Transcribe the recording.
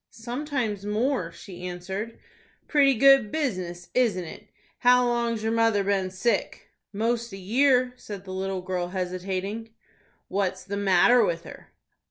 "Sometimes more," she answered. "Pretty good business, isn't it? How long's your mother been sick?" "Most a year," said the little girl, hesitating. "What's the matter with her?"